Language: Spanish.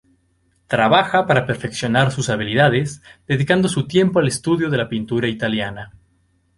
Trabaja para perfeccionar sus habilidades dedicando su tiempo al estudio de la pintura italiana.